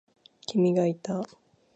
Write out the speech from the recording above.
君がいた。